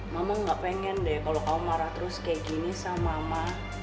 mama gak pengen deh kalau kau marah terus kayak gini sama mama